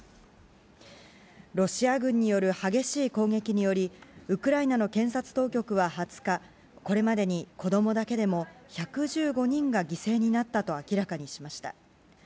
ロシア軍による激しい攻撃によりウクライナの検察当局は２０日これまでに子供だけでも１１５人が犠牲になったと明らかにしました。